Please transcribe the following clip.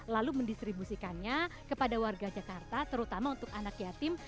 lalu mendistribusikannya kepada warga jakarta terutama untuk anak yatim